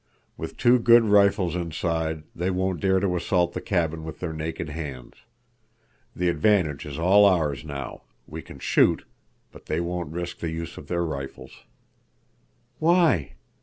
With two good rifles inside, they won't dare to assault the cabin with their naked hands. The advantage is all ours now; we can shoot, but they won't risk the use of their rifles." "Why?"